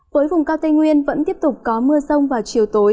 với vùng cao tây nguyên vẫn tiếp tục có mưa rông vào chiều tối